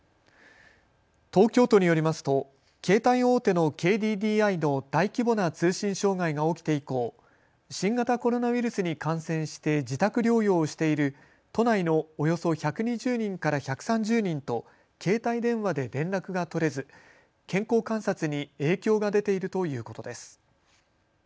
東京都によりますと携帯大手のＫＤＤＩの大規模な通信障害が起きて以降、新型コロナウイルスに感染して自宅療養をしている都内のおよそ１２０人から１３０人と携帯電話で連絡が取れず健康観察に影響が出ているということです。